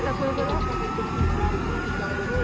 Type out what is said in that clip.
ไข่เผ่มไข่ตัวตีนอด